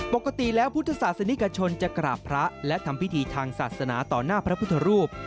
ปกติแล้วพุทธศาสนิกชนจะกราบพระและทำพิธีทางศาสนาต่อหน้าพระพุทธรูป